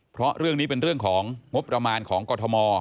เพราะเรื่องนี้เป็นเรื่องของงบประมาณของกรทม